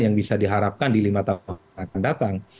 yang bisa diharapkan di lima tahun akan datang